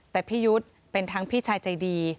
แต่พี่ยุทธ์เป็นทั้งพี่ชายใจดี